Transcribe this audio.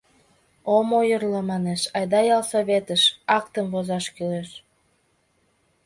— Ом ойырло, манеш, айда ялсоветыш, актым возаш кӱлеш.